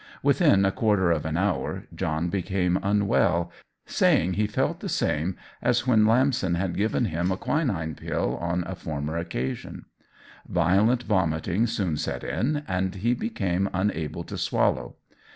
Within a quarter of an hour John became unwell, saying he felt the same as when Lamson had given him a quinine pill on a former occasion. Violent vomiting soon set in, and he became unable to swallow.